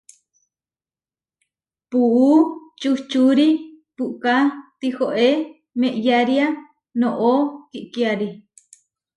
Puú čuhčúri puʼka tihoé meʼyaria noʼó kiʼkiári.